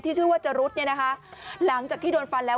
ที่ชื่อว่าจรุษหลังจากที่โดนฟันแล้ว